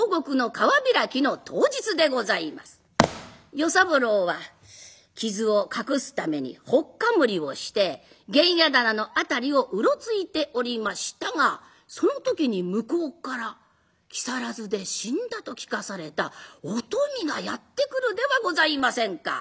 与三郎は傷を隠すためにほっかむりをして玄冶店の辺りをうろついておりましたがその時に向こうから木更津で死んだと聞かされたお富がやって来るではございませんか。